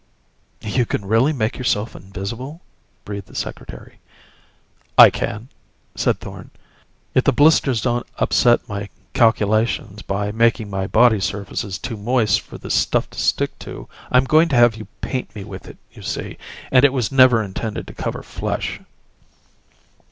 "You can really make yourself invisible?" breathed the Secretary. "I can," said Thorn, "if the blisters don't upset my calculations by making my body surfaces too moist for this stuff to stick to. I'm going to have you paint me with it, you see, and it was never intended to cover flesh."